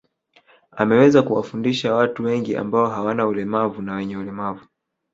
Ameweza kuwafundisha watu wengi ambao hawana ulemavu na wenye ulemavu